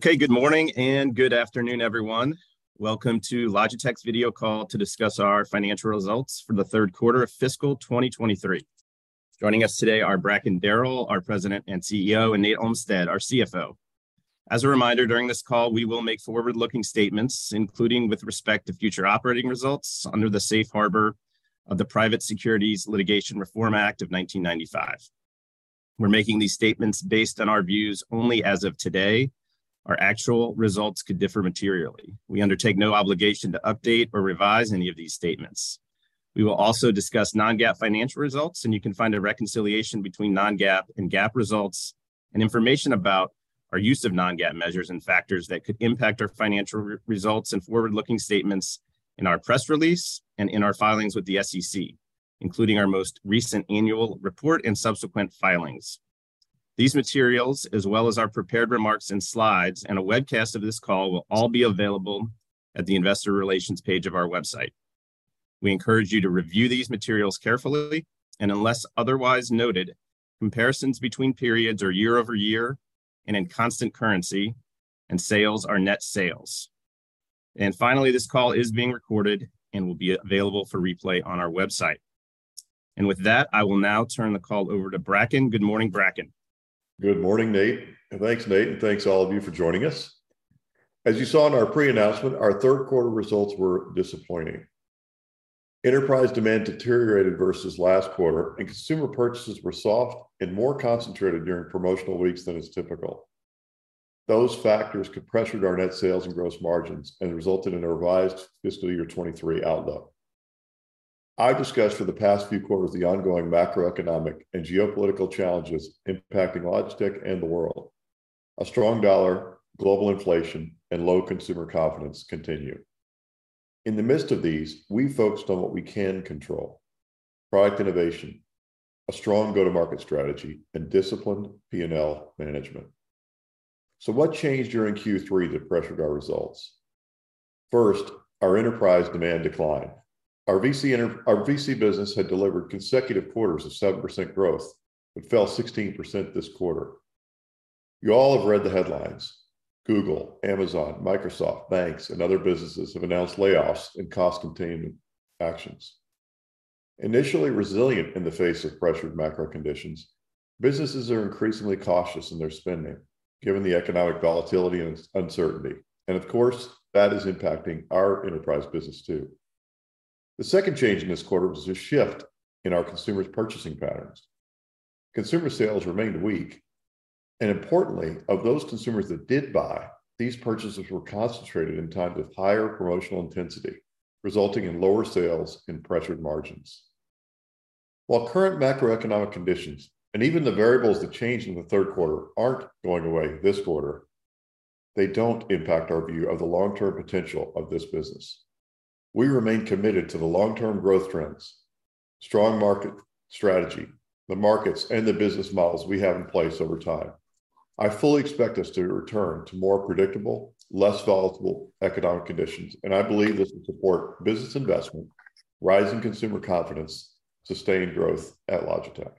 Good morning and good afternoon, everyone. Welcome to Logitech's video call to discuss our financial results for the 3rd quarter of fiscal 2023. Joining us today are Bracken Darrell, our President and CEO, and Nate Olmstead, our CFO. As a reminder, during this call, we will make forward-looking statements, including with respect to future operating results under the safe harbor of the Private Securities Litigation Reform Act of 1995. We're making these statements based on our views only as of today. Our actual results could differ materially. We undertake no obligation to update or revise any of these statements. We will also discuss non-GAAP financial results. You can find a reconciliation between non-GAAP and GAAP results and information about our use of non-GAAP measures and factors that could impact our financial results and forward-looking statements in our press release and in our filings with the SEC, including our most recent annual report and subsequent filings. These materials, as well as our prepared remarks and slides and a webcast of this call, will all be available at the investor relations page of our website. We encourage you to review these materials carefully. Unless otherwise noted, comparisons between periods are year-over-year and in constant currency, and sales are net sales. Finally, this call is being recorded and will be available for replay on our website. With that, I will now turn the call over to Bracken. Good morning, Bracken. Good morning, Nate. Thanks, Nate, and thanks all of you for joining us. As you saw in our pre-announcement, our 3rd quarter results were disappointing. Enterprise demand deteriorated versus last quarter, consumer purchases were soft and more concentrated during promotional weeks than is typical. Those factors could pressure our net sales and gross margins and resulted in a revised FY '23 outlook. I've discussed for the past few quarters the ongoing macroeconomic and geopolitical challenges impacting Logitech and the world. A strong dollar, global inflation, and low consumer confidence continue. In the midst of these, we focused on what we can control: product innovation, a strong go-to-market strategy, and disciplined P&L management. What changed during Q3 that pressured our results? First, our enterprise demand declined. Our VC business had delivered consecutive quarters of 7% growth but fell 16% this quarter. You all have read the headlines. Google, Amazon, Microsoft, banks, and other businesses have announced layoffs and cost-containment actions. Initially resilient in the face of pressured macro conditions, businesses are increasingly cautious in their spending, given the economic volatility and uncertainty. Of course, that is impacting our enterprise business, too. The second change in this quarter was a shift in our consumers' purchasing patterns. Consumer sales remained weak, and importantly, of those consumers that did buy, these purchases were concentrated in times with higher promotional intensity, resulting in lower sales and pressured margins. While current macroeconomic conditions and even the variables that changed in the third quarter aren't going away this quarter, they don't impact our view of the long-term potential of this business. We remain committed to the long-term growth trends, strong market strategy, the markets, and the business models we have in place over time. I fully expect us to return to more predictable, less volatile economic conditions. I believe this will support business investment, rising consumer confidence, sustained growth at Logitech.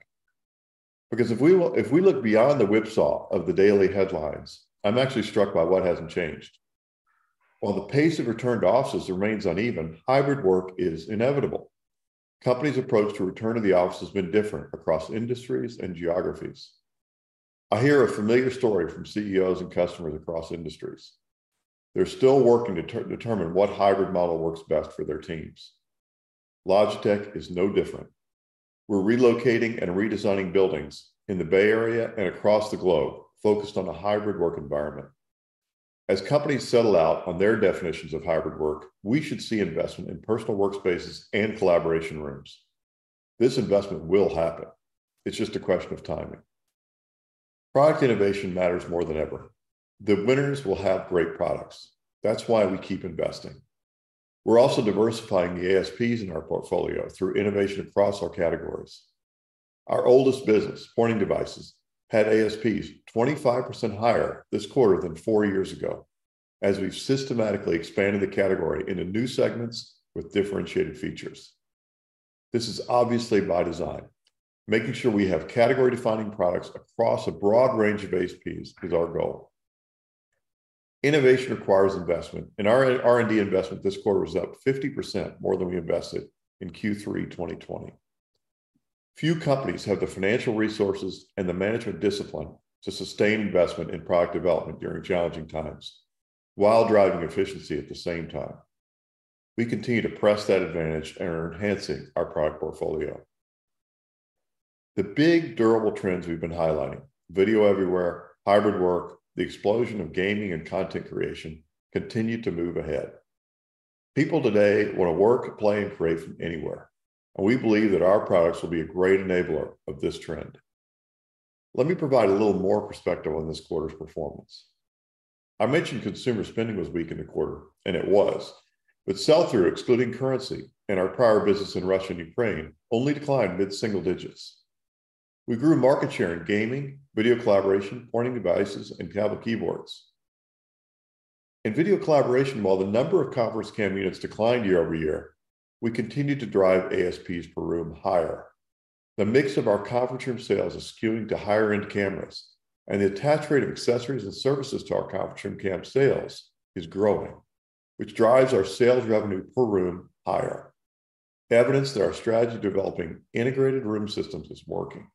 If we look beyond the whipsaw of the daily headlines, I'm actually struck by what hasn't changed. While the pace of return to offices remains uneven, hybrid work is inevitable. Companies' approach to return to the office has been different across industries and geographies. I hear a familiar story from CEOs and customers across industries. They're still working to determine what hybrid model works best for their teams. Logitech is no different. We're relocating and redesigning buildings in the Bay Area and across the globe, focused on a hybrid work environment. As companies settle out on their definitions of hybrid work, we should see investment in personal workspaces and collaboration rooms. This investment will happen. It's just a question of timing. Product innovation matters more than ever. The winners will have great products. That's why we keep investing. We're also diversifying the ASPs in our portfolio through innovation across our categories. Our oldest business, pointing devices, had ASPs 25% higher this quarter than four years ago, as we've systematically expanded the category into new segments with differentiated features. This is obviously by design. Making sure we have category-defining products across a broad range of ASPs is our goal. Innovation requires investment, and our R&D investment this quarter was up 50% more than we invested in Q3 2020. Few companies have the financial resources and the management discipline to sustain investment in product development during challenging times while driving efficiency at the same time. We continue to press that advantage and are enhancing our product portfolio. The big, durable trends we've been highlighting, video everywhere, hybrid work, the explosion of gaming and content creation, continue to move ahead. People today wanna work, play, and create from anywhere, and we believe that our products will be a great enabler of this trend. Let me provide a little more perspective on this quarter's performance. I mentioned consumer spending was weak in the quarter, and it was, with sell-through excluding currency and our prior business in Russia and Ukraine only declined mid-single digits. We grew market share in gaming, video collaboration, pointing devices, and cable keyboards. In video collaboration, while the number of conference cam units declined year-over-year, we continued to drive ASPs per room higher. The mix of our conference room sales is skewing to higher-end cameras, and the attach rate of accessories and services to our conference room cam sales is growing, which drives our sales revenue per room higher, evidence that our strategy of developing integrated room systems is working.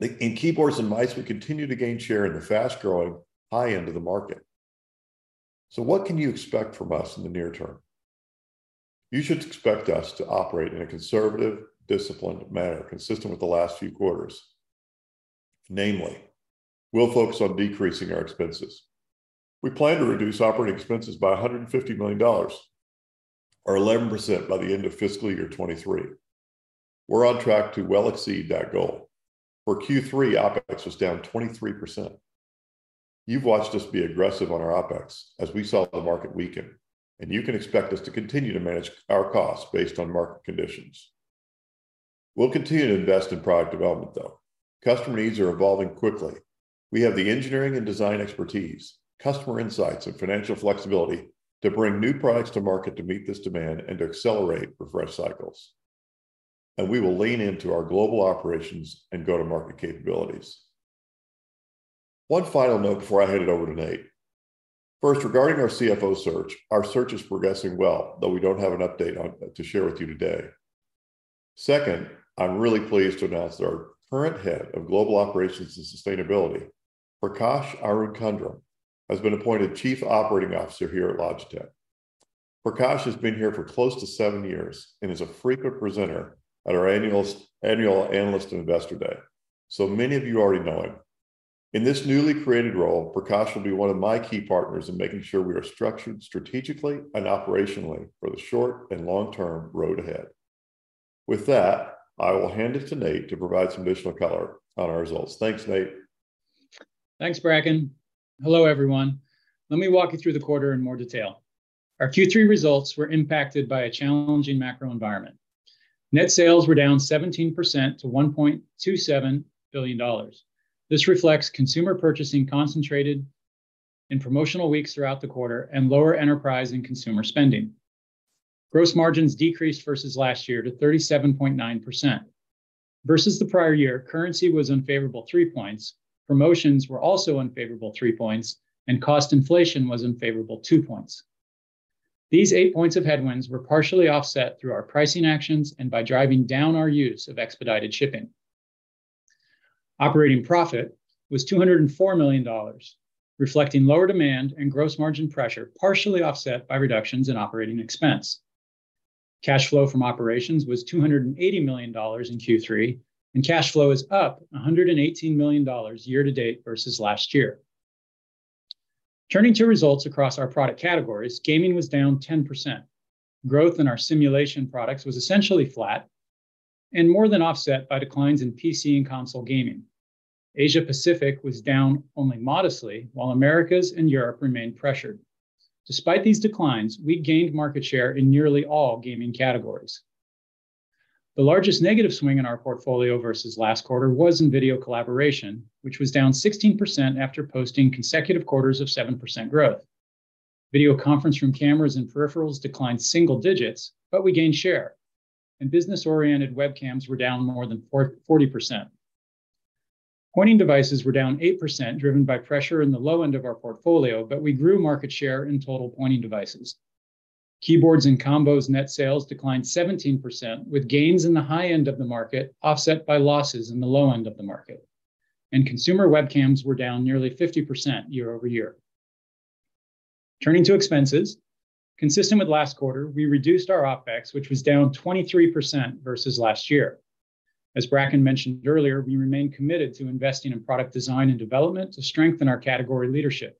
In keyboards and mice, we continue to gain share in the fast-growing high-end of the market. What can you expect from us in the near term? You should expect us to operate in a conservative, disciplined manner consistent with the last few quarters. Namely, we'll focus on decreasing our expenses. We plan to reduce operating expenses by $150 million, or 11% by the end of fiscal year '23. We're on track to well exceed that goal. For Q3, OPEX was down 23%. You've watched us be aggressive on our OPEX as we saw the market weaken. You can expect us to continue to manage our costs based on market conditions. We'll continue to invest in product development, though. Customer needs are evolving quickly. We have the engineering and design expertise, customer insights, and financial flexibility to bring new products to market to meet this demand and to accelerate refresh cycles. We will lean into our global operations and go-to-market capabilities. One final note before I hand it over to Nate. First, regarding our CFO search, our search is progressing well, though we don't have an update on it to share with you today. Second, I'm really pleased to announce that our current Head of Global Operations and Sustainability, Prakash Arunkundrum, has been appointed Chief Operating Officer here at Logitech. Prakash has been here for close to seven years and is a frequent presenter at our annual Analyst and Investor Day. Many of you already know him. In this newly created role, Prakash will be one of my key partners in making sure we are structured strategically and operationally for the short and long-term road ahead. With that, I will hand it to Nate to provide some additional color on our results. Thanks, Nate. Thanks, Bracken. Hello, everyone. Let me walk you through the quarter in more detail. Our Q3 results were impacted by a challenging macro environment. Net sales were down 17% to $1.27 billion. This reflects consumer purchasing concentrated in promotional weeks throughout the quarter and lower enterprise and consumer spending. Gross margins decreased versus last year to 37.9%. Versus the prior year, currency was unfavorable 3 points, promotions were also unfavorable 3 points, and cost inflation was unfavorable 2 points. These 8 points of headwinds were partially offset through our pricing actions and by driving down our use of expedited shipping. Operating profit was $204 million, reflecting lower demand and gross margin pressure, partially offset by reductions in operating expense. Cash flow from operations was $280 million in Q3. Cash flow is up $118 million year-to-date versus last year. Turning to results across our product categories, gaming was down 10%. Growth in our simulation products was essentially flat and more than offset by declines in PC and console gaming. Asia-Pacific was down only modestly, while Americas and Europe remained pressured. Despite these declines, we gained market share in nearly all gaming categories. The largest negative swing in our portfolio versus last quarter was in video collaboration, which was down 16% after posting consecutive quarters of 7% growth. Video conference room cameras and peripherals declined single digits. We gained share. Business-oriented webcams were down more than 40%. Pointing devices were down 8%, driven by pressure in the low end of our portfolio, but we grew market share in total pointing devices. Keyboards and combos net sales declined 17%, with gains in the high end of the market offset by losses in the low end of the market. Consumer webcams were down nearly 50% year-over-year. Turning to expenses. Consistent with last quarter, we reduced our OpEx, which was down 23% versus last year. As Bracken mentioned earlier, we remain committed to investing in product design and development to strengthen our category leadership.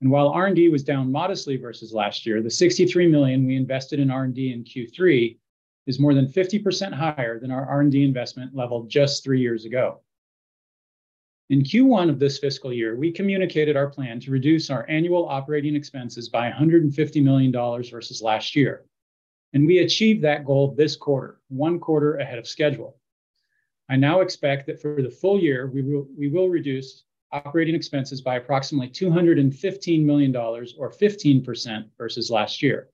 While R&D was down modestly versus last year, the $63 million we invested in R&D in Q3 is more than 50% higher than our R&D investment level just three years ago. In Q1 of this fiscal year, we communicated our plan to reduce our annual operating expenses by $150 million versus last year. We achieved that goal this quarter, one quarter ahead of schedule. I now expect that for the full year, we will reduce operating expenses by approximately $215 million or 15% versus last year.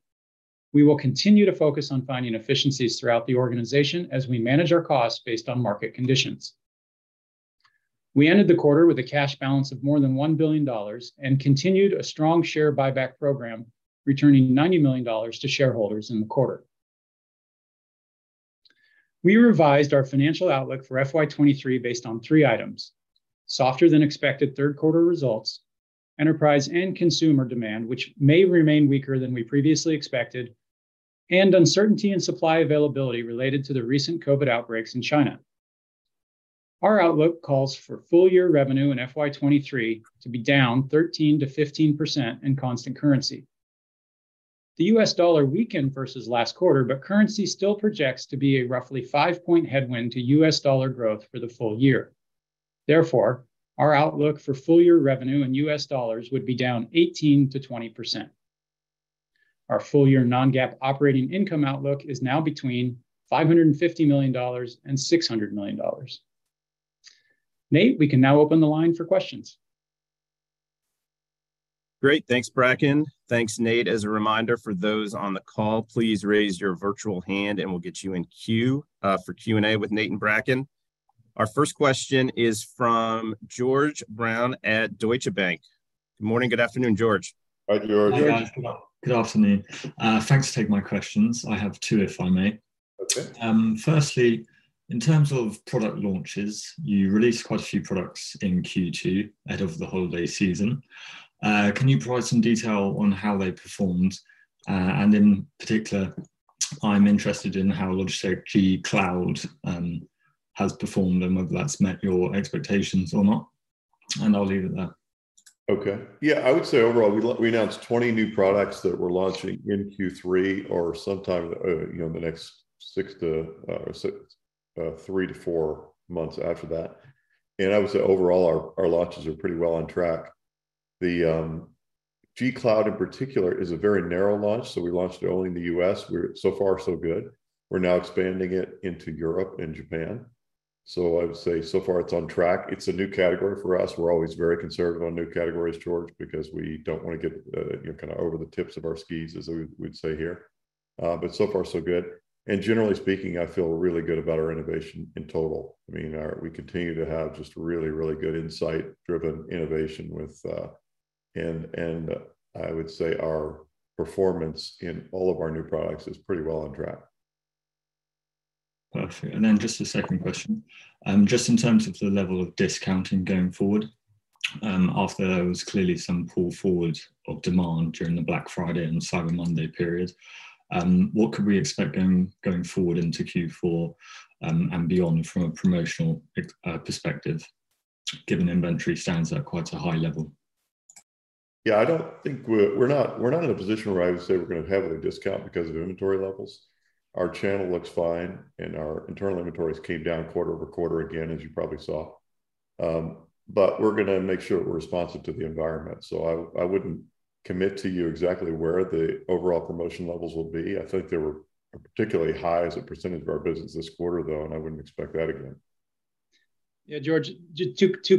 We will continue to focus on finding efficiencies throughout the organization as we manage our costs based on market conditions. We ended the quarter with a cash balance of more than $1 billion and continued a strong share buyback program, returning $90 million to shareholders in the quarter. We revised our financial outlook for FY '23 based on three items: softer than expected third quarter results, enterprise and consumer demand, which may remain weaker than we previously expected, and uncertainty in supply availability related to the recent COVID outbreaks in China. Our outlook calls for full-year revenue in FY '23 to be down 13%-15% in constant currency. The US dollar weakened versus last quarter, currency still projects to be a roughly 5-point headwind to US dollar growth for the full year. Our outlook for full-year revenue in US dollars would be down 18%-20%. Our full-year non-GAAP operating income outlook is now between $550 million and $600 million. Nate, we can now open the line for questions. Great. Thanks, Bracken. Thanks, Nate. As a reminder for those on the call, please raise your virtual hand and we'll get you in queue for Q&A with Nate and Bracken. Our first question is from George Brown at Deutsche Bank. Good morning. Good afternoon, George. Hi, George. Hi, guys. Good afternoon. Thanks to take my questions. I have two, if I may. Okay. Firstly, in terms of product launches, you released quite a few products in Q2 ahead of the holiday season. Can you provide some detail on how they performed? In particular, I'm interested in how Logitech G CLOUD has performed and whether that's met your expectations or not. I'll leave it at that. Okay. Yeah, I would say overall, we announced 20 new products that we're launching in Q3 or sometime, you know, in the next 3-4 months after that. I would say overall our launches are pretty well on track. The G CLOUD in particular is a very narrow launch, so we launched it only in the US. We're so far so good. We're now expanding it into Europe and Japan. I would say so far it's on track. It's a new category for us. We're always very conservative on new categories, George, because we don't want to get, you know, kind of over the tips of our skis, as we'd say here. So far so good. Generally speaking, I feel really good about our innovation in total. I mean, we continue to have just really good insight-driven innovation with. I would say our performance in all of our new products is pretty well on track. Perfect. Just a second question. Just in terms of the level of discounting going forward, after there was clearly some pull forward of demand during the Black Friday and Cyber Monday period, what could we expect going forward into Q4 and beyond from a promotional perspective, given inventory stands at quite a high level? I don't think we're not in a position where I would say we're gonna heavily discount because of inventory levels. Our channel looks fine, and our internal inventories came down quarter-over-quarter again, as you probably saw. We're gonna make sure we're responsive to the environment. I wouldn't commit to you exactly where the overall promotion levels will be. I think they were particularly high as a percentage of our business this quarter, though, and I wouldn't expect that again. George,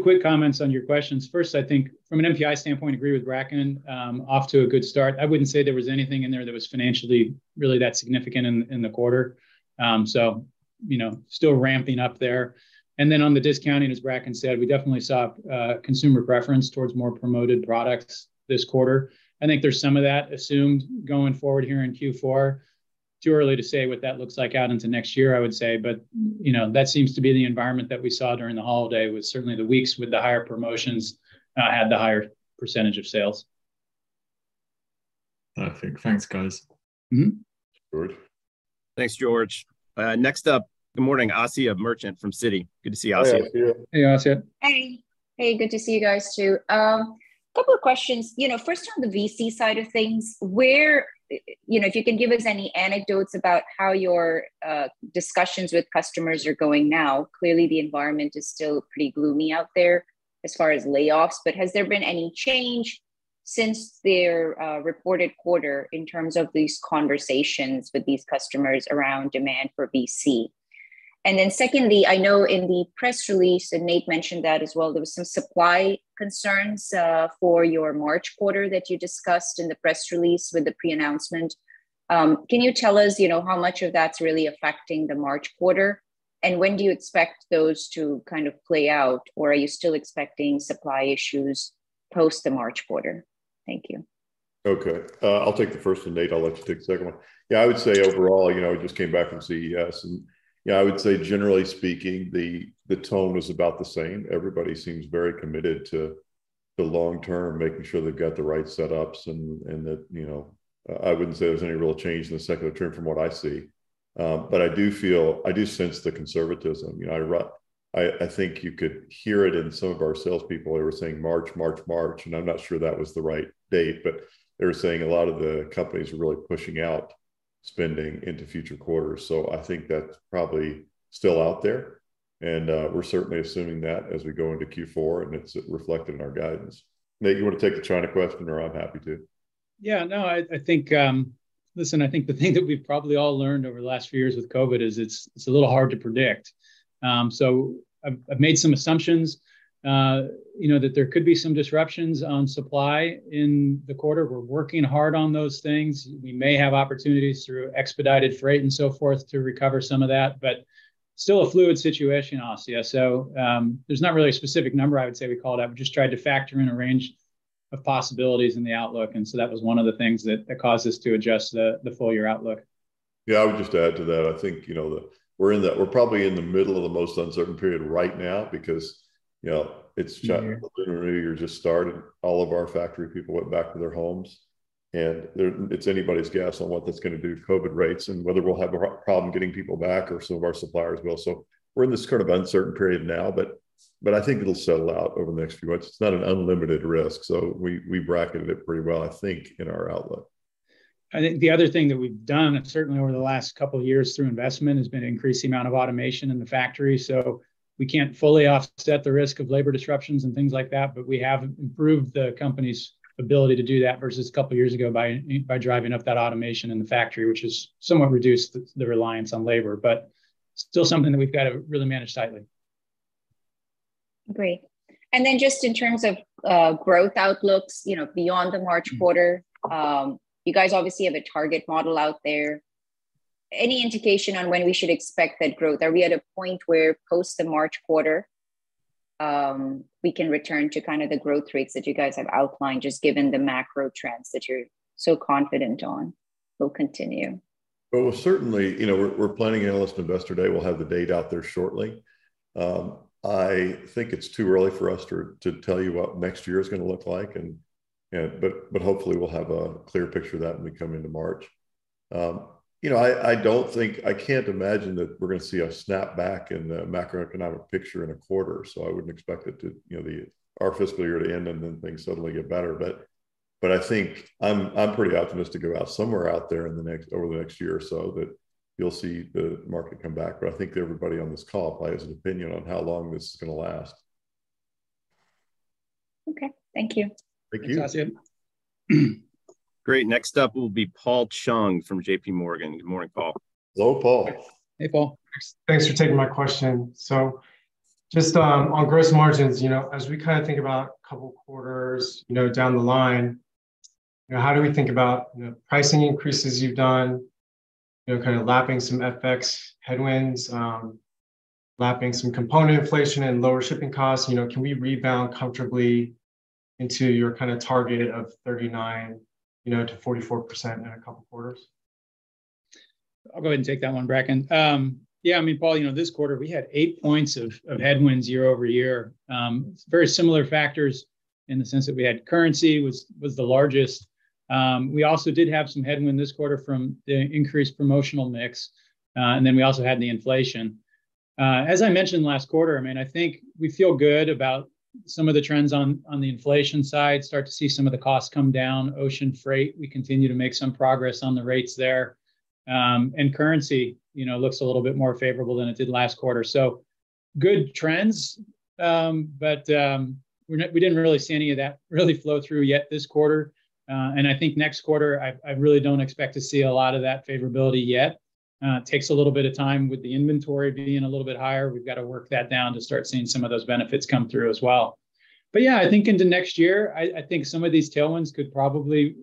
quick comments on your questions. I think from an NPI standpoint, agree with Bracken. Off to a good start. I wouldn't say there was anything in there that was financially really that significant in the quarter. You know, still ramping up there. On the discounting, as Bracken said, we definitely saw consumer preference towards more promoted products this quarter. I think there's some of that assumed going forward here in Q4. Too early to say what that looks like out into next year, I would say. You know, that seems to be the environment that we saw during the holiday, was certainly the weeks with the higher promotions, had the higher percentage of sales. Perfect. Thanks, guys. Mm-hmm. Thanks, George. Thanks, George. Next up, good morning, Asya Merchant from Citi. Good to see Asya. Hey, Asya. Hey, Asya. Hey. Hey, good to see you guys too. Couple of questions. You know, first on the VC side of things, where, you know, if you can give us any anecdotes about how your discussions with customers are going now. Clearly, the environment is still pretty gloomy out there as far as layoffs, has there been any change since their reported quarter in terms of these conversations with these customers around demand for VC? Secondly, I know in the press release, and Nate mentioned that as well, there was some supply concerns for your March quarter that you discussed in the press release with the pre-announcement. Can you tell us, you know, how much of that's really affecting the March quarter, when do you expect those to kind of play out? Are you still expecting supply issues post the March quarter? Thank you. Okay. I'll take the first. Nate, I'll let you take the second one. I would say overall- Sure... you know, I just came back from CES, and yeah, I would say generally speaking, the tone was about the same. Everybody seems very committed to the long term, making sure they've got the right setups and that, you know... I wouldn't say there was any real change in the secular trend from what I see. I do feel, I do sense the conservatism. You know, I think you could hear it in some of our salespeople. They were saying March. I'm not sure that was the right date, but they were saying a lot of the companies are really pushing out spending into future quarters. I think that's probably still out there. We're certainly assuming that as we go into Q4, and it's reflected in our guidance. Nate, you wanna take the China question, or I'm happy to? Yeah, no, I think, listen, I think the thing that we've probably all learned over the last few years with COVID is it's a little hard to predict. I've made some assumptions, you know, that there could be some disruptions on supply in the quarter. We're working hard on those things. We may have opportunities through expedited freight and so forth to recover some of that, still a fluid situation, Asya. There's not really a specific number I would say we called out. We just tried to factor in a range of possibilities in the outlook, that was one of the things that caused us to adjust the full year outlook. Yeah, I would just add to that. I think, you know, We're probably in the middle of the most uncertain period right now because, you know, it's Chat- Mm-hmm... or New Year just started. All of our factory people went back to their homes, and there, it's anybody's guess on what that's gonna do to COVID rates and whether we'll have a problem getting people back or some of our suppliers will. We're in this kind of uncertain period now, but I think it'll settle out over the next few months. It's not an unlimited risk, we bracketed it pretty well, I think, in our outlook. I think the other thing that we've done, certainly over the last couple years through investment, has been increase the amount of automation in the factory. We can't fully offset the risk of labor disruptions and things like that, but we have improved the company's ability to do that versus a couple years ago by driving up that automation in the factory, which has somewhat reduced the reliance on labor. Still something that we've gotta really manage tightly. Great. Just in terms of growth outlooks, you know, beyond the March quarter, you guys obviously have a target model out there. Any indication on when we should expect that growth? Are we at a point where post the March quarter, we can return to kind of the growth rates that you guys have outlined, just given the macro trends that you're so confident on will continue? Certainly, you know, we're planning Analyst Investor Day, we'll have the date out there shortly. I think it's too early for us to tell you what next year's gonna look like, and, you know, but hopefully we'll have a clear picture of that when we come into March. you know, I can't imagine that we're gonna see a snap back in the macroeconomic picture in a quarter, so I wouldn't expect it to, you know, our fiscal year to end and then things suddenly get better. I think I'm pretty optimistic about somewhere out there in the next, over the next year or so that you'll see the market come back. I think that everybody on this call probably has an opinion on how long this is gonna last. Okay. Thank you. Thank you. Thanks, Asya. Great. Next up will be Paul Chung from JPMorgan. Good morning, Paul. Hello, Paul. Hey, Paul. Thanks for taking my question. Just on gross margins, you know, as we kind of think about a couple quarters, you know, down the line, you know, how do we think about, you know, pricing increases you've done, you know, kind of lapping some FX headwinds, lapping some component inflation and lower shipping costs. You know, can we rebound comfortably into your kind of target of 39%-44% in a couple quarters? I'll go ahead and take that one, Bracken. I mean, Paul, you know, this quarter we had 8 points of headwinds year-over-year. Very similar factors in the sense that we had currency was the largest. We also did have some headwind this quarter from the increased promotional mix. Then we also had the inflation. As I mentioned last quarter, I mean, I think we feel good about some of the trends on the inflation side. Start to see some of the costs come down. Ocean freight, we continue to make some progress on the rates there. And currency, you know, looks a little bit more favorable than it did last quarter. Good trends, but we didn't really see any of that really flow through yet this quarter. I think next quarter, I really don't expect to see a lot of that favorability yet. It takes a little bit of time with the inventory being a little bit higher. We've got to work that down to start seeing some of those benefits come through as well. Yeah, I think into next year, I think some of these tailwinds could probably.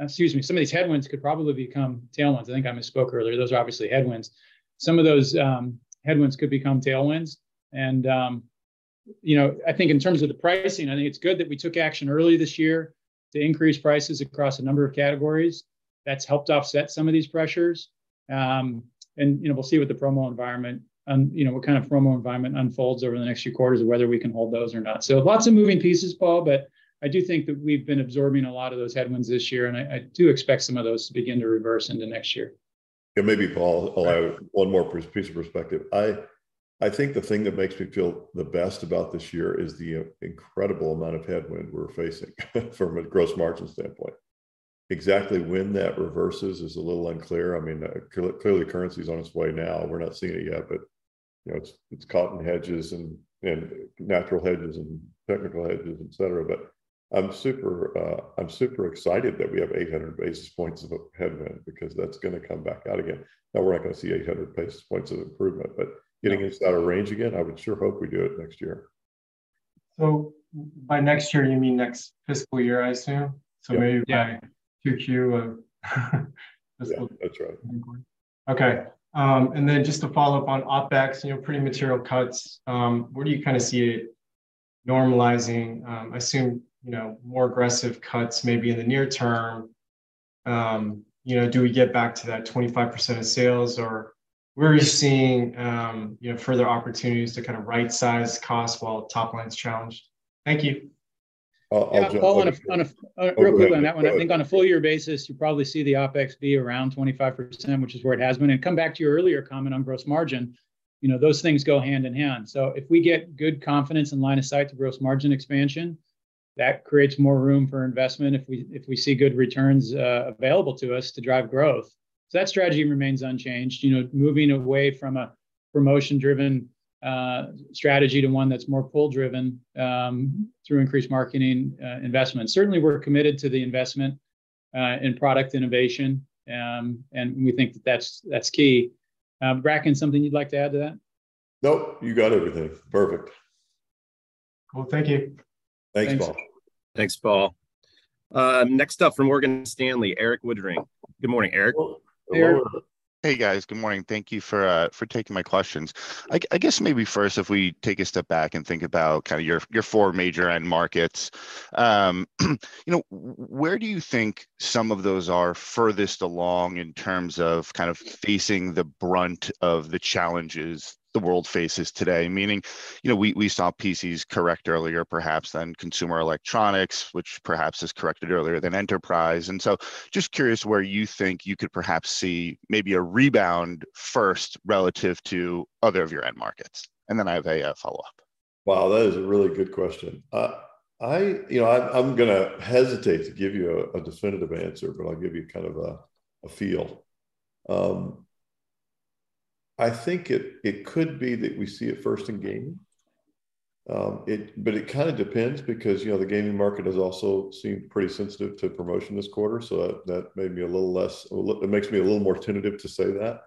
Excuse me, some of these headwinds could probably become tailwinds. I think I misspoke earlier. Those are obviously headwinds. Some of those headwinds could become tailwinds and, you know, I think in terms of the pricing, I think it's good that we took action early this year to increase prices across a number of categories. That's helped offset some of these pressures. You know, we'll see what the promo environment, you know, what kind of promo environment unfolds over the next few quarters of whether we can hold those or not. Lots of moving pieces, Paul, but I do think that we've been absorbing a lot of those headwinds this year, and I do expect some of those to begin to reverse into next year. Maybe, Paul, I'll add one more piece of perspective. I think the thing that makes me feel the best about this year is the, you know, incredible amount of headwind we're facing from a gross margin standpoint. Exactly when that reverses is a little unclear. I mean, clearly currency is on its way now. We're not seeing it yet, you know, it's caught in hedges and natural hedges and technical hedges, et cetera. I'm super, I'm super excited that we have 800 basis points of a headwind, because that's gonna come back out again. We're not gonna see 800 basis points of improvement, getting into that range again, I would sure hope we do it next year. By next year, you mean next fiscal year, I assume? Yeah. Maybe, yeah, Q2 of fiscal- Yeah, that's right. I'm going. Okay. Just to follow up on OPEX, you know, pretty material cuts. Where do you kind of see it normalizing? I assume, you know, more aggressive cuts maybe in the near term. You know, do we get back to that 25% of sales? Or where are you seeing, you know, further opportunities to kind of right-size costs while top line's challenged? Thank you. I'll. Yeah, Paul, on a, real quick on that one- Oh, go ahead. Go ahead.... I think on a full year basis, you probably see the OpEx be around 25%, which is where it has been. Come back to your earlier comment on gross margin, you know, those things go hand in hand. If we get good confidence and line of sight to gross margin expansion, that creates more room for investment if we see good returns available to us to drive growth. That strategy remains unchanged, you know, moving away from a promotion driven strategy to one that's more pull driven through increased marketing investment. Certainly, we're committed to the investment in product innovation, and we think that that's key. Bracken, something you'd like to add to that? Nope. You got everything. Perfect. Cool. Thank you. Thanks, Paul. Thanks. Thanks, Paul. Next up from Morgan Stanley, Erik Woodring. Good morning, Erik. Hello, Erik. Hey, guys. Good morning. Thank you for taking my questions. I guess maybe first, if we take a step back and think about kind of your four major end markets. you know, where do you think some of those are furthest along in terms of kind of facing the brunt of the challenges the world faces today? Meaning, you know, we saw PCs correct earlier perhaps than consumer electronics, which perhaps has corrected earlier than enterprise. Just curious where you think you could perhaps see maybe a rebound first relative to other of your end markets. Then I have a follow-up. Wow, that is a really good question. I, you know, I'm gonna hesitate to give you a definitive answer, but I'll give you kind of a feel. I think it could be that we see it first in gaming. It kinda depends because, you know, the gaming market has also seemed pretty sensitive to promotion this quarter, so that made me a little less. It makes me a little more tentative to say that.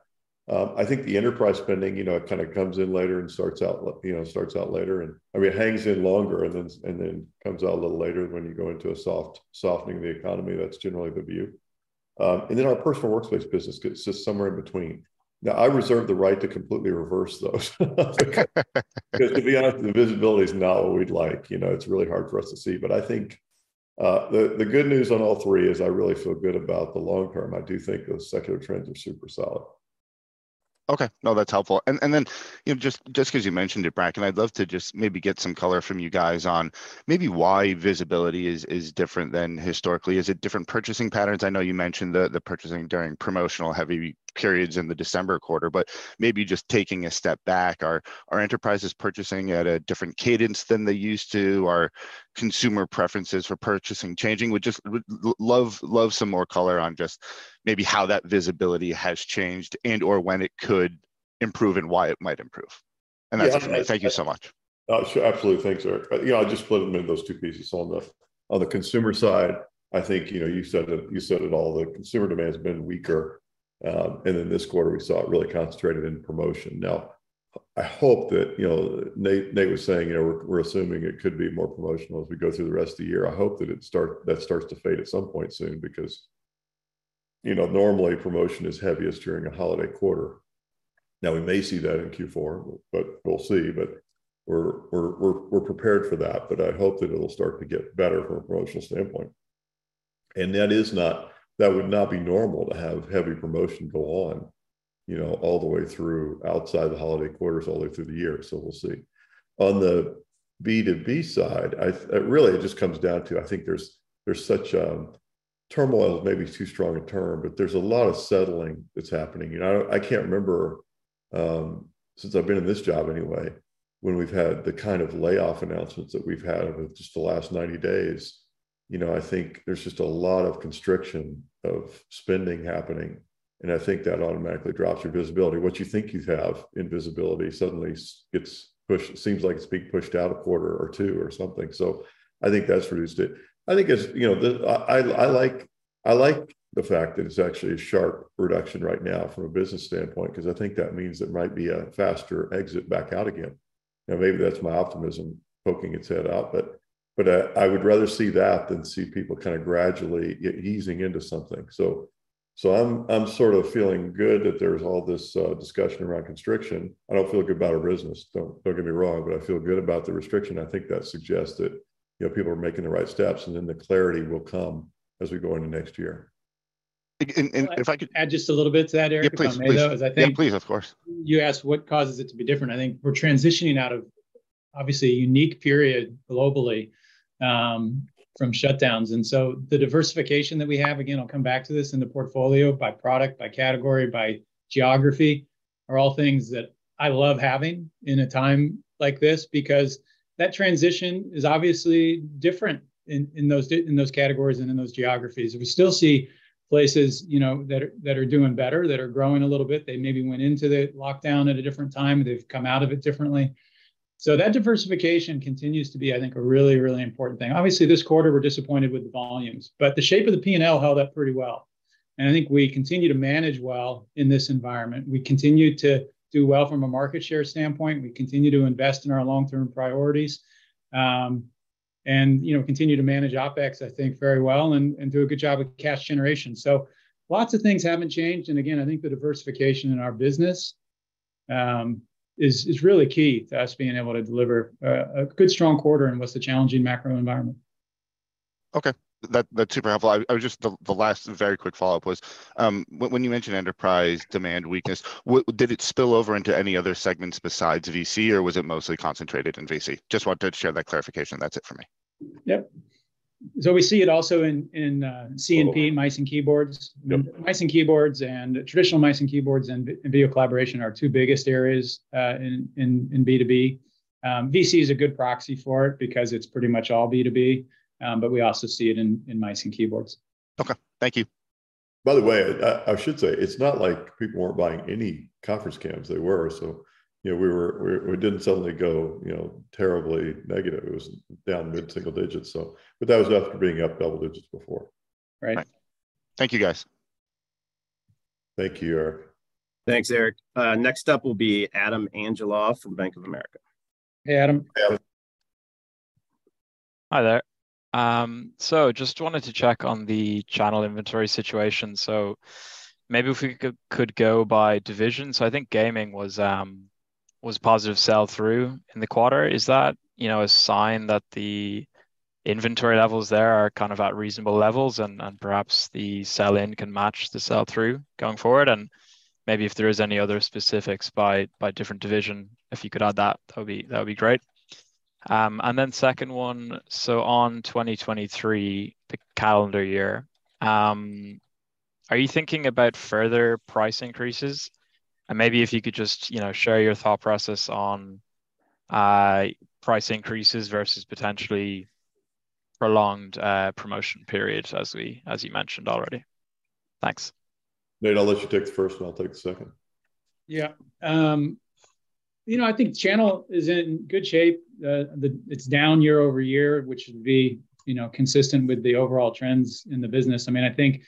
I think the enterprise spending, you know, it kinda comes in later and starts out you know, starts out later, or it hangs in longer and then comes out a little later when you go into a softening of the economy. That's generally the view. Our personal workspace business gets just somewhere in between. I reserve the right to completely reverse those. 'Cause to be honest, the visibility's not what we'd like, you know. It's really hard for us to see. I think, the good news on all three is I really feel good about the long term. I do think those secular trends are super solid. Okay. No, that's helpful. Then, you know, just 'cause you mentioned it, Brad, I'd love to just maybe get some color from you guys on maybe why visibility is different than historically. Is it different purchasing patterns? I know you mentioned the purchasing during promotional-heavy periods in the December quarter. Maybe just taking a step back. Are enterprises purchasing at a different cadence than they used to? Are consumer preferences for purchasing changing? Would love some more color on just maybe how that visibility has changed and/or when it could improve, and why it might improve. That's it for me. Thank you so much. Oh, sure, absolutely. Thanks, Erik. You know, I'll just split them into those two pieces. On the consumer side, I think, you know, you said it all. The consumer demand's been weaker, this quarter we saw it really concentrated in promotion. I hope that, you know, Nate was saying, you know, we're assuming it could be more promotional as we go through the rest of the year. I hope that it starts to fade at some point soon, because, you know, normally promotion is heaviest during a holiday quarter. We may see that in Q4, but we'll see. We're prepared for that, but I hope that it'll start to get better from a promotional standpoint. That would not be normal to have heavy promotion go on, you know, all the way through outside of the holiday quarters, all the way through the year. We'll see. On the B2B side, really it just comes down to, I think there's such turmoil is maybe too strong a term, but there's a lot of settling that's happening. You know, I can't remember, since I've been in this job anyway, when we've had the kind of layoff announcements that we've had over just the last 90 days. You know, I think there's just a lot of constriction of spending happening, and I think that automatically drops your visibility. What you think you have in visibility suddenly seems like it's being pushed out a quarter or two or something. I think that's reduced it. I think it's, you know, I like the fact that it's actually a sharp reduction right now from a business standpoint, 'cause I think that means it might be a faster exit back out again. Maybe that's my optimism poking its head out, but, I would rather see that than see people kinda gradually easing into something. I'm sort of feeling good that there's all this discussion around constriction. I don't feel good about our business, don't get me wrong, but I feel good about the restriction. I think that suggests that, you know, people are making the right steps, and then the clarity will come as we go into next year. If I could. Can I just add a little bit to that, Erik. Yeah, please.... if I may, though, 'cause I think- Yeah, please, of course. You asked what causes it to be different. I think we're transitioning out of obviously a unique period globally, from shutdowns. The diversification that we have, again, I'll come back to this in the portfolio by product, by category, by geography, are all things that I love having in a time like this, because that transition is obviously different in those categories and in those geographies. We still see places, you know, that are doing better, that are growing a little bit. They maybe went into the lockdown at a different time. They've come out of it differently. That diversification continues to be, I think, a really, really important thing. Obviously, this quarter we're disappointed with the volumes, but the shape of the P&L held up pretty well, and I think we continue to manage well in this environment. We continue to do well from a market share standpoint. We continue to invest in our long-term priorities, and, you know, continue to manage OpEx, I think, very well and do a good job with cash generation. Lots of things haven't changed. Again, I think the diversification in our business, is really key to us being able to deliver a good, strong quarter in what's a challenging macro environment. Okay. That's super helpful. I was just the last very quick follow-up was, when you mentioned enterprise demand weakness, did it spill over into any other segments besides VC, or was it mostly concentrated in VC? Just wanted to share that clarification. That's it for me. Yep. We see it also in C&P, mice and keyboards. Yep. Mice and keyboards. Traditional mice and keyboards and video collaboration are our two biggest areas in B2B. VC is a good proxy for it because it's pretty much all B2B, but we also see it in mice and keyboards. Okay. Thank you. By the way, I should say, it's not like people weren't buying any conference cams. They were, so, you know, we didn't suddenly go, you know, terribly negative. It was down mid-single digits, so but that was after being up double digits before. Right. Thank you, guys. Thank you, Erik Thanks, Erik. Next up will be Adam Angelov from Bank of America. Hey, Adam. Adam. Hi there. Just wanted to check on the channel inventory situation. Maybe if we could go by division. I think gaming was positive sell-through in the quarter. Is that, you know, a sign that the inventory levels there are kind of at reasonable levels and perhaps the sell-in can match the sell-through going forward? Maybe if there is any other specifics by different division, if you could add that would be great. Second one, on 2023, the calendar year, are you thinking about further price increases? Maybe if you could just, you know, share your thought process on price increases versus potentially prolonged promotion periods as you mentioned already. Thanks. Nate, I'll let you take the first one. I'll take the second. You know, I think channel is in good shape. It's down year-over-year, which would be, you know, consistent with the overall trends in the business. I mean, I think,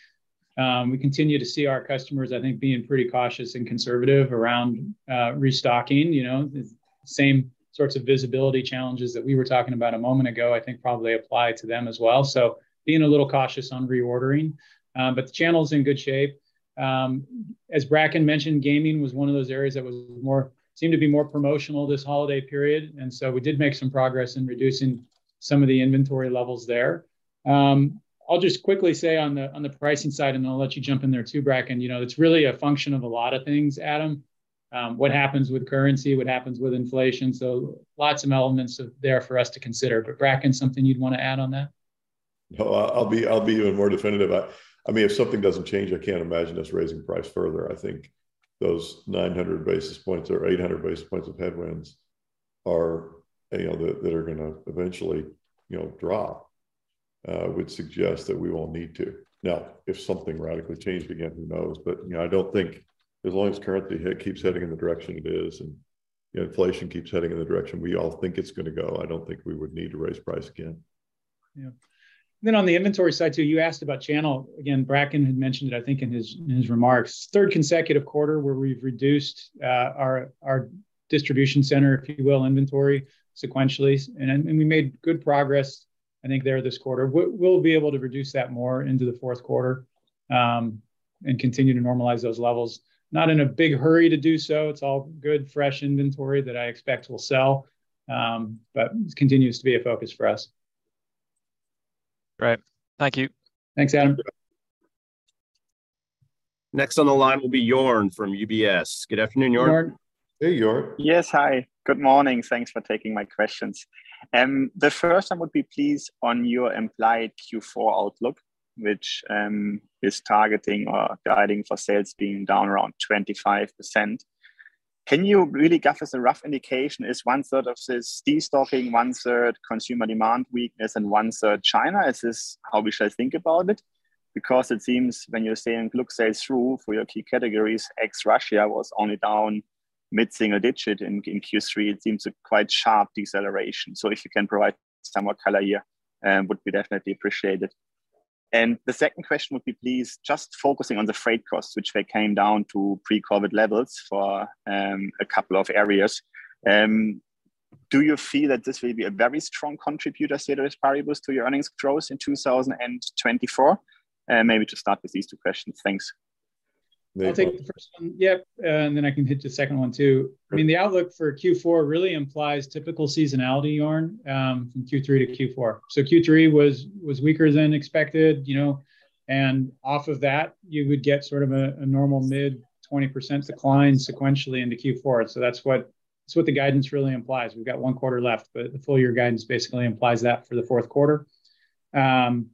we continue to see our customers, I think, being pretty cautious and conservative around restocking. You know, the same sorts of visibility challenges that we were talking about a moment ago I think probably apply to them as well, so being a little cautious on reordering. The channel's in good shape. As Bracken mentioned, gaming was one of those areas that seemed to be more promotional this holiday period, we did make some progress in reducing some of the inventory levels there. I'll just quickly say on the pricing side, I'll let you jump in there too, Bracken. You know, it's really a function of a lot of things, Adam. What happens with currency, what happens with inflation. Lots of elements there for us to consider. Bracken, something you'd want to add on that? No, I'll be even more definitive. I mean, if something doesn't change, I can't imagine us raising price further. I think those 900 basis points or 800 basis points of headwinds are, you know, that are gonna eventually, you know, drop, would suggest that we won't need to. If something radically changed again, who knows? You know, I don't think as long as currency keeps heading in the direction it is and, you know, inflation keeps heading in the direction we all think it's gonna go, I don't think we would need to raise price again. Yeah. On the inventory side too, you asked about channel. Again, Bracken had mentioned it, I think, in his remarks. Third consecutive quarter where we've reduced our distribution center, if you will, inventory sequentially. We made good progress, I think, there this quarter. We'll be able to reduce that more into the fourth quarter and continue to normalize those levels. Not in a big hurry to do so. It's all good, fresh inventory that I expect we'll sell. It continues to be a focus for us. Great. Thank you. Thanks, Adam. You're welcome. Next on the line will be Joern from UBS. Good afternoon, Joern. Joern. Hey, Joern. Yes. Hi, good morning. Thanks for taking my questions. The first I would be pleased on your implied Q4 outlook, which is targeting or guiding for sales being down around 25%. Can you really give us a rough indication? Is one-third of this destocking, one-third consumer demand weakness, and one-third China? Is this how we should think about it? Because it seems when you're saying look sales through for your key categories, ex Russia was only down mid-single digit in Q3. It seems a quite sharp deceleration. So if you can provide somewhat color here, would be definitely appreciated. The second question would be, please, just focusing on the freight costs, which they came down to pre-COVID levels for a couple of areas. Do you feel that this will be a very strong contributor, say, those variables to your earnings growth in 2024? Maybe to start with these two questions. Thanks. Nate, go ahead. I'll take the first one. Yeah, and then I can hit the second one too. Sure. I mean, the outlook for Q4 really implies typical seasonality, Joern, from Q3 to Q4. Q3 was weaker than expected, you know, and off of that, you would get sort of a normal mid 20% decline sequentially into Q4. That's what the guidance really implies. We've got one quarter left. The full year guidance basically implies that for the fourth quarter. On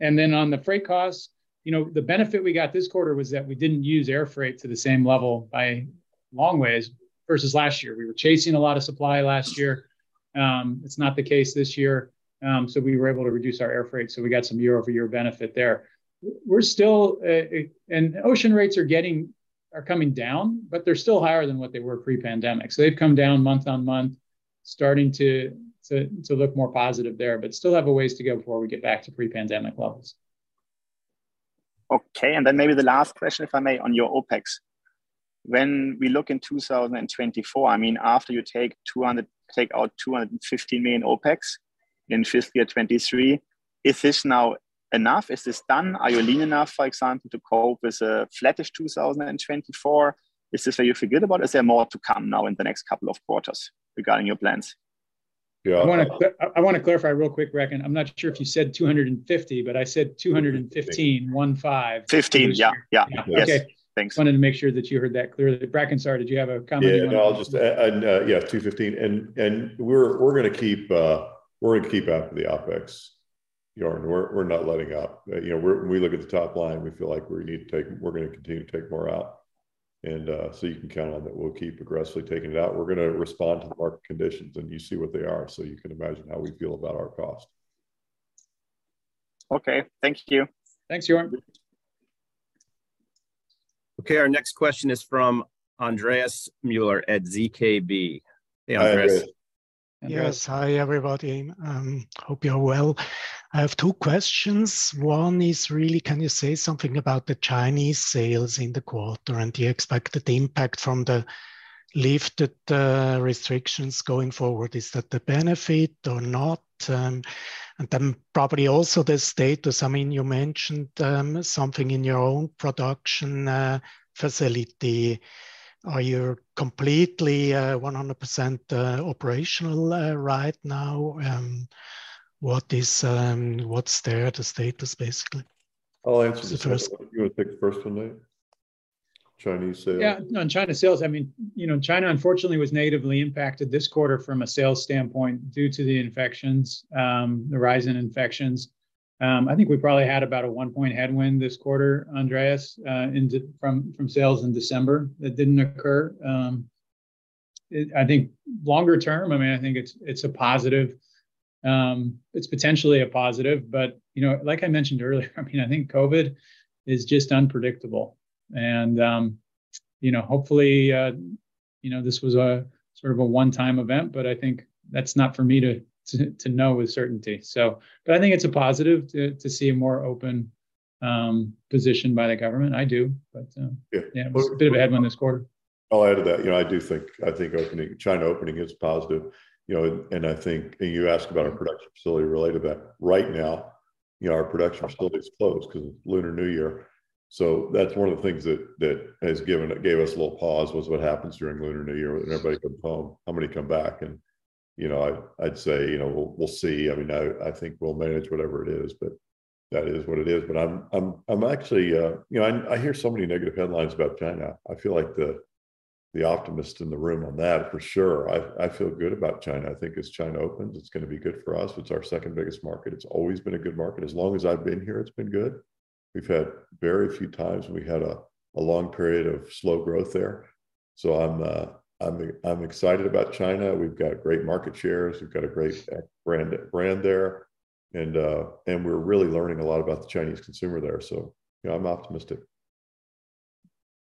the freight cost, you know, the benefit we got this quarter was that we didn't use air freight to the same level by long ways versus last year. We were chasing a lot of supply last year. It's not the case this year. We were able to reduce our air freight, so we got some year-over-year benefit there. We're still, and ocean rates are getting... are coming down, but they're still higher than what they were pre-pandemic. They've come down month-on-month, starting to look more positive there, but still have a ways to go before we get back to pre-pandemic levels. Maybe the last question, if I may, on your OpEx. When we look in 2024, I mean, after you take out $250 million OpEx in fiscal 2023, is this now enough? Is this done? Are you lean enough, for example, to cope with a flattish 2024? Is this how you feel about it? Is there more to come now in the next couple of quarters regarding your plans? Yeah. I wanna clarify real quick, Bracken. I'm not sure if you said 250, but I said 215.. 15. Yeah. Yeah. Yeah. Okay. Yes. Thanks. Wanted to make sure that you heard that clearly. Bracken, sorry, did you have a comment you wanted to add? Yeah. No, I'll just... Yeah, 215. We're gonna keep after the OpEx, Joern. We're not letting up. You know, when we look at the top line, we feel like we need to take, we're gonna continue to take more out. You can count on that we'll keep aggressively taking it out. We're gonna respond to the market conditions, and you see what they are, so you can imagine how we feel about our cost. Okay. Thank you. Thanks, Joern. Okay. Our next question is from Andreas Müller at ZKB. Hey, Andreas. Hi, Andreas. Andreas. Yes. Hi, everybody. Hope you're well. I have two questions. One is really can you say something about the Chinese sales in the quarter and the expected impact from the lifted restrictions going forward? Is that a benefit or not? Probably also the status. I mean, you mentioned something in your own production facility. Are you completely 100% operational right now? What is what's there, the status basically? I'll answer the first one. You wanna take the first one, Nate? Chinese sales. No, in China sales, I mean, you know, China unfortunately was natively impacted this quarter from a sales standpoint due to the infections, the rise in infections. I think we probably had about a one-point headwind this quarter, Andreas, from sales in December that didn't occur. I think longer term, I mean, I think it's a positive. It's potentially a positive but, you know, like I mentioned earlier, I mean, I think COVID is just unpredictable. Hopefully, you know, this was a sort of a one-time event, but I think that's not for me to know with certainty. But I think it's a positive to see a more open position by the government. I do, but. Yeah Yeah, it was a bit of a headwind this quarter. I'll add to that. You know, I do think, I think opening, China opening is positive, you know, and I think, and you asked about our production facility related to that. Right now, you know, our production facility is closed 'cause of Lunar New Year, so that's one of the things that has given, gave us a little pause was what happens during Lunar New Year when everybody comes home, how many come back? You know, I'd say, you know, we'll see. I mean, I think we'll manage whatever it is, but that is what it is. I'm actually, you know, I hear so many negative headlines about China. I feel like the optimist in the room on that for sure. I feel good about China. I think as China opens, it's gonna be good for us. It's our second-biggest market. It's always been a good market. As long as I've been here, it's been good. We've had very few times we had a long period of slow growth there. I'm excited about China. We've got great market shares. We've got a great brand there, and we're really learning a lot about the Chinese consumer there, so, you know, I'm optimistic.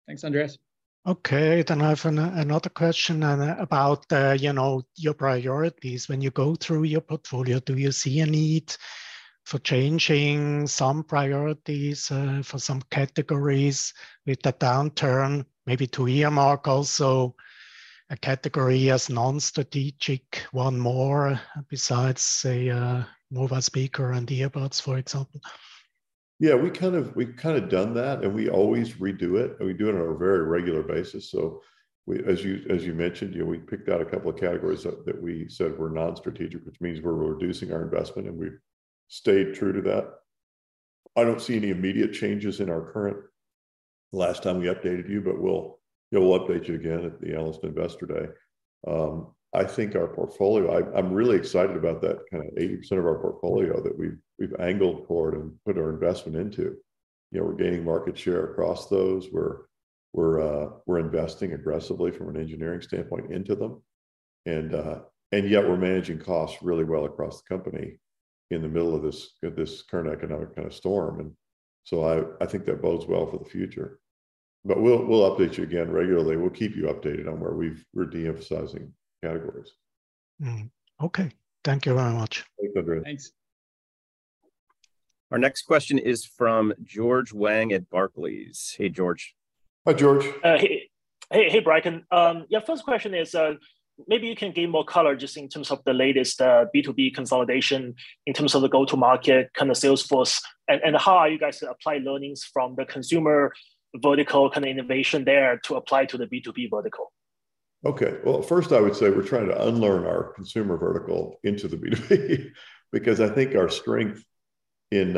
Thanks, Andreas. Okay. I have another question, about, you know, your priorities. When you go through your portfolio, do you see a need for changing some priorities, for some categories with the downturn, maybe to earmark also a category as non-strategic, one more besides, say, mobile speaker and the earbuds, for example? We've kind of done that, and we always redo it, and we do it on a very regular basis. We, as you mentioned, you know, we picked out a couple of categories that we said were non-strategic, which means we're reducing our investment, and we've stayed true to that. I don't see any immediate changes in our current, last time we updated you, but we'll, you know, we'll update you again at the analyst investor day. I think our portfolio, I'm really excited about that kind of 80% of our portfolio that we've angled toward and put our investment into. You know, we're gaining market share across those. We're investing aggressively from an engineering standpoint into them. Yet we're managing costs really well across the company in the middle of this current economic kind of storm. I think that bodes well for the future. We'll update you again regularly. We'll keep you updated on where we've, we're de-emphasizing categories. Mm-hmm. Okay. Thank you very much. Thanks, Andreas. Thanks. Our next question is from George Wang at Barclays. Hey, George. Hi, George. Hey, hey, Bracken. First question is, maybe you can gain more color just in terms of the latest B2B consolidation in terms of the go-to market kind of sales force and how are you guys apply learnings from the consumer vertical kind of innovation there to apply to the B2B vertical? Okay. Well, first I would say we're trying to unlearn our consumer vertical into the B2B. Because I think our strength in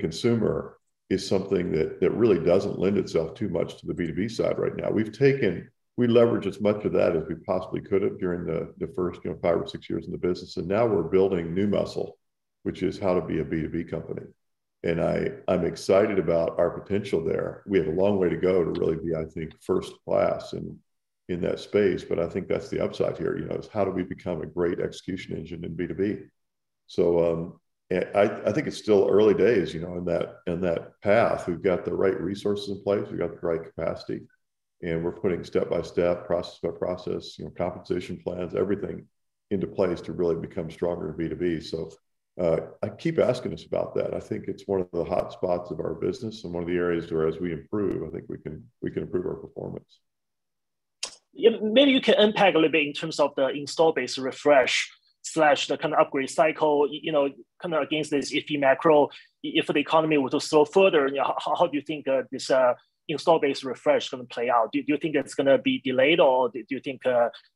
consumer is something that really doesn't lend itself too much to the B2B side right now. We've taken, we leveraged as much of that as we possibly could have during the first, you know, five or six years in the business, and now we're building new muscle, which is how to be a B2B company, and I'm excited about our potential there. We have a long way to go to really be, I think, first class in that space, but I think that's the upside here, you know, is how do we become a great execution engine in B2B? I think it's still early days, you know, in that path. We've got the right resources in place. We've got the right capacity, and we're putting step by step, process by process, you know, compensation plans, everything into place to really become stronger in B2B. I keep asking us about that. I think it's one of the hot spots of our business and one of the areas where, as we improve, I think we can, we can improve our performance. Yeah. Maybe you can unpack a little bit in terms of the install base refresh/the kind of upgrade cycle, you know, kind of against this iffy macro. If the economy were to slow further, you know, how do you think this install base refresh gonna play out? Do you think it's gonna be delayed, or do you think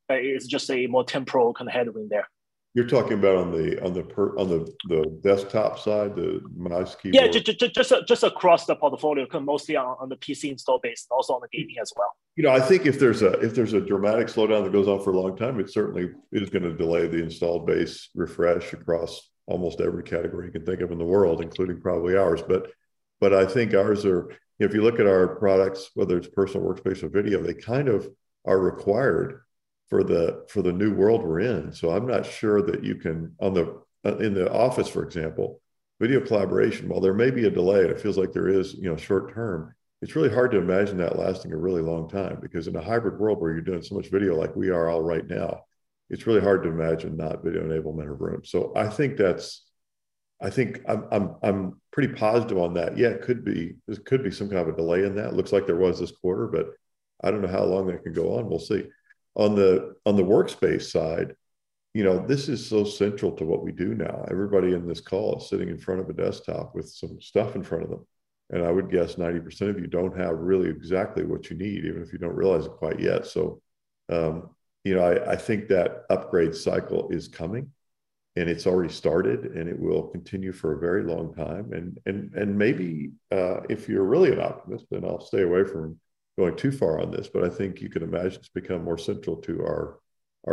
it's just a more temporal kind of headwind there? You're talking about on the, on the per, on the desktop side, the mice, keyboard? Yeah. Just across the portfolio, kind of mostly on the PC install base, and also on the gaming as well. You know, I think if there's a dramatic slowdown that goes on for a long time, it certainly, it is gonna delay the install base refresh across almost every category you can think of in the world, including probably ours. I think, you know, if you look at our products, whether it's personal workspace or video, they kind of are required for the new world we're in, so I'm not sure that you can on the in the office, for example, video collaboration, while there may be a delay, and it feels like there is, you know, short term, it's really hard to imagine that lasting a really long time. In a hybrid world where you're doing so much video like we are all right now, it's really hard to imagine not video enabling a room. I think I'm pretty positive on that. Yeah, it could be, there could be some kind of a delay in that. Looks like there was this quarter. I don't know how long that can go on. We'll see. On the workspace side, you know, this is so central to what we do now. Everybody in this call is sitting in front of a desktop with some stuff in front of them. I would guess 90% of you don't have really exactly what you need, even if you don't realize it quite yet. you know, I think that upgrade cycle is coming and it's already started, and it will continue for a very long time. Maybe, if you're really an optimist, then I'll stay away from going too far on this, but I think you can imagine it's become more central to our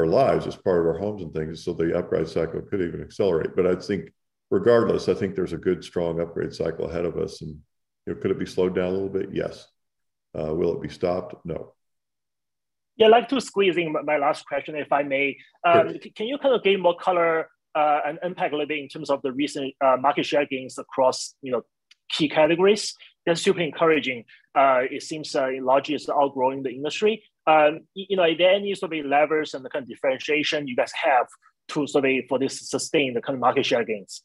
lives as part of our homes and things, so the upgrade cycle could even accelerate. I think, regardless, I think there's a good, strong upgrade cycle ahead of us, and, you know, could it be slowed down a little bit? Yes. Will it be stopped? No. Yeah, I'd like to squeeze in my last question, if I may. Sure. Can you kind of gain more color, and impact a little bit in terms of the recent market share gains across, you know, key categories? That's super encouraging. It seems Anker is outgrowing the industry. You know, are there any sort of levers and the kind of differentiation you guys have to sort of for this sustain the kind of market share gains?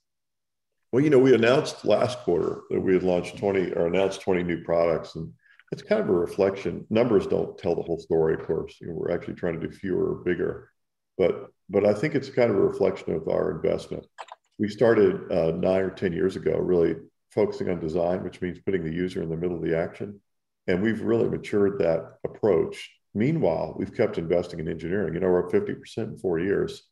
You know, we announced last quarter that we had launched 20, or announced 20 new products. It's kind of a reflection. Numbers don't tell the whole story, of course. You know, we're actually trying to do fewer, bigger. I think it's kind of a reflection of our investment. We started nine or 10 years ago, really focusing on design, which means putting the user in the middle of the action. We've really matured that approach. Meanwhile, we've kept investing in engineering. You know, we're up 50% in four years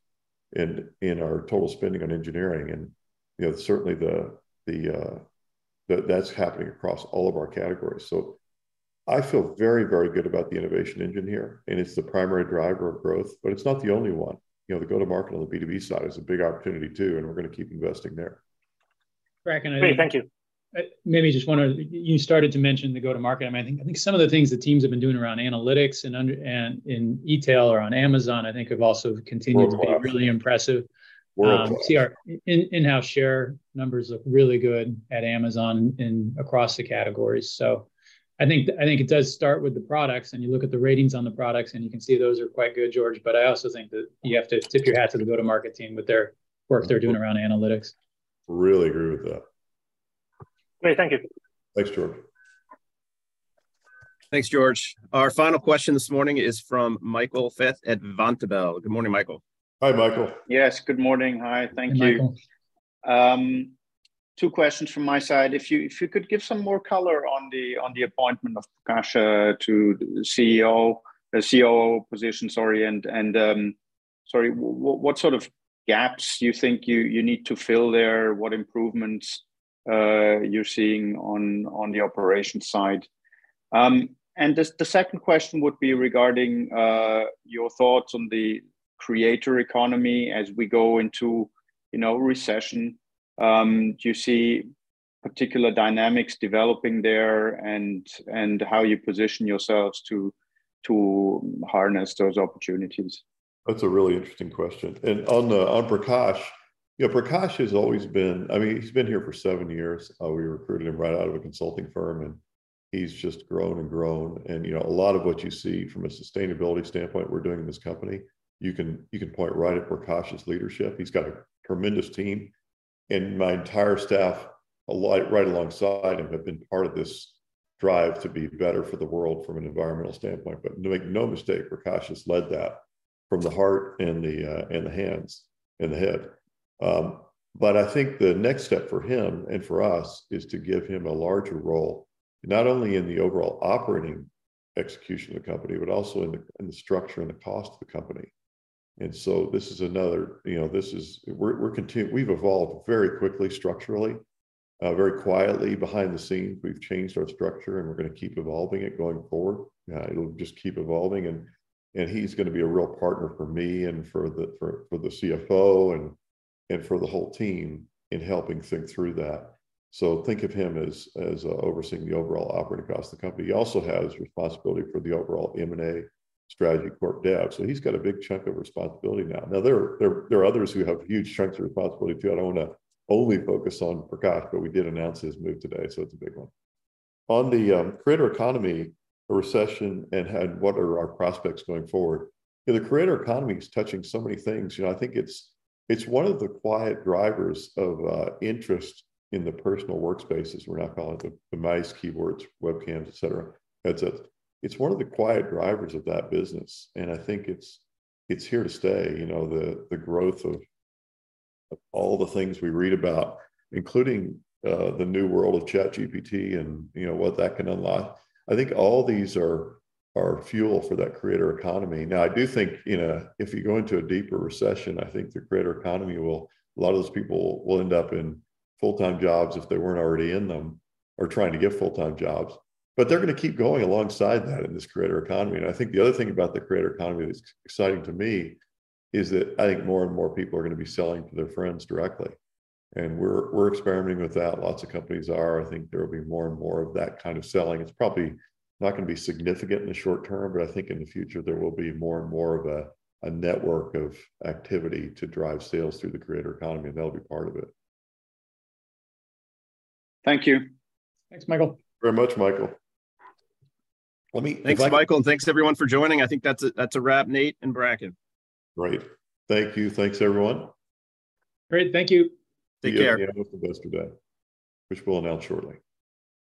in our total spending on engineering. You know, certainly the, that's happening across all of our categories. I feel very, very good about the innovation engine here. It's the primary driver of growth, but it's not the only one. You know, the go-to-market on the B2B side is a big opportunity, too. We're gonna keep investing there. Bracken, I think Great. Thank you.... maybe just wanna, you started to mention the go-to-market. I mean, I think some of the things the teams have been doing around analytics and under, and in e-tail or on Amazon, I think, have also continued. World class.... to be really impressive. World class. CR, in-house share numbers look really good at Amazon in, across the categories. I think it does start with the products, and you look at the ratings on the products, and you can see those are quite good, George. I also think that you have to tip your hat to the go-to-market team with their work they're doing around analytics. Really agree with that. Great. Thank you. Thanks, George. Thanks, George. Our final question this morning is from Michael Foeth at Vontobel. Good morning, Michael. Hi, Michael. Yes. Good morning. Hi. Thank you. Hi, Michael. Two questions from my side. If you could give some more color on the appointment of Prakash to CEO, COO position, sorry, and what sort of gaps you think you need to fill there? What improvements you're seeing on the operation side? The second question would be regarding your thoughts on the creator economy as we go into, you know, recession. Do you see particular dynamics developing there, and how you position yourselves to harness those opportunities? That's a really interesting question. On Prakash, you know, Prakash has always been, I mean, he's been here for seven years. We recruited him right out of a consulting firm, and he's just grown and grown. You know, a lot of what you see from a sustainability standpoint we're doing in this company, you can, you can point right at Prakash's leadership. He's got a tremendous team, and my entire staff right alongside him have been part of this drive to be better for the world from an environmental standpoint. Make no mistake, Prakash has led that from the heart, and the hands, and the head. But I think the next step for him and for us is to give him a larger role, not only in the overall operating execution of the company, but also in the, in the structure and the cost of the company. This is another, you know, we've evolved very quickly structurally, very quietly behind the scenes. We've changed our structure, and we're gonna keep evolving it going forward. It'll just keep evolving, and he's gonna be a real partner for me, and for the CFO, and for the whole team in helping think through that. Think of him as overseeing the overall operating cost of the company. He also has responsibility for the overall M&A strategy corp dev, so he's got a big chunk of responsibility now. Now, there are others who have huge chunks of responsibility, too. I don't wanna only focus on Prakash, but we did announce his move today, so it's a big one. On the creator economy recession and what are our prospects going forward, you know, the creator economy is touching so many things. You know, I think it's one of the quiet drivers of interest in the personal workspaces we're now calling the mice, keyboards, webcams, et cetera, headsets. It's one of the quiet drivers of that business, and I think it's here to stay. You know, the growth of all the things we read about, including the new world of ChatGPT and, you know, what that can unlock. I think all these are fuel for that creator economy. I do think, you know, if you go into a deeper recession, I think the creator economy will, a lot of those people will end up in full-time jobs if they weren't already in them or trying to get full-time jobs. They're gonna keep going alongside that in this creator economy. I think the other thing about the creator economy that's exciting to me is that I think more and more people are gonna be selling to their friends directly, and we're experimenting with that. Lots of companies are. I think there will be more and more of that kind of selling. It's probably not gonna be significant in the short term, but I think in the future there will be more and more of a network of activity to drive sales through the creator economy, and that'll be part of it. Thank you. Thanks, Michael. Very much, Michael. Let me- If I- Thanks, Michael, and thanks everyone for joining. I think that's a wrap, Nate and Bracken. Great. Thank you. Thanks, everyone. Great. Thank you. Take care. See you at the analyst investor day, which we'll announce shortly.